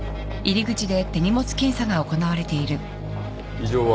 異常は？